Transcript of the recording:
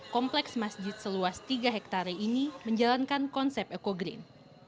kompleks masjid seluas tiga hektare ini menjalankan konsep eco green